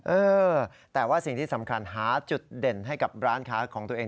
เออแต่ว่าสิ่งที่สำคัญหาจุดเด่นให้กับร้านค้าของตัวเอง